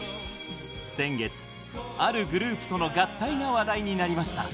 先月、あるグループとの合体が話題になりました。